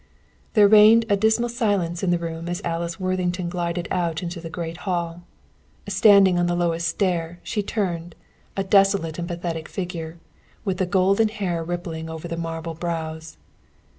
There reigned a dismal silence in the room as Alice Worthington glided out into the great hall. Standing on the lowest stair, she turned, a desolate and pathetic figure, with the golden hair rippling over the marble brows.